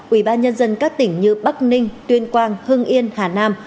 ủy ban nhân dân các tỉnh như bắc ninh tuyên quang hưng yên hà nam